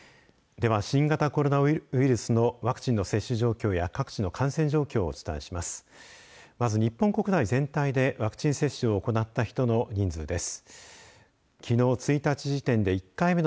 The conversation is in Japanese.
では、新型コロナウイルスのワクチンの接種状況や各地の感染状況をお伝えします。